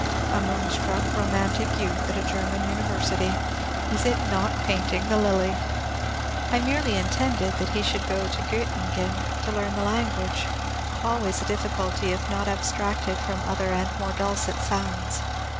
A moonstruck, romantic youth at a German University. Is it not painting the lily? I merely intended he should go to Göttingen to learn the language, always a difficulty, if not abstracted from other and more dulcet sounds.